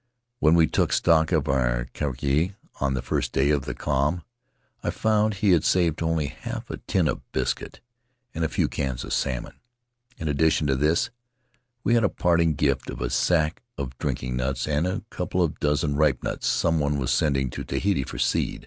When we took stock of our kaikai on the first day of the calm I found he had saved only half a tin of biscuit and a few cans of salmon. In addition to this, we had a parting gift of a sack of drinking nuts and a couple of dozen ripe nuts some one was sending to Tahiti for seed.